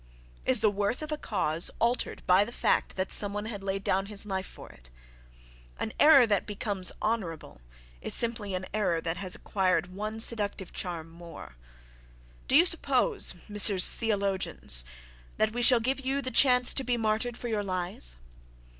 Is the worth of a cause altered by the fact that some one had laid down his life for it?—An error that becomes honourable is simply an error that has acquired one seductive charm the more: do you suppose, Messrs. Theologians, that we shall give you the chance to be martyred for your lies?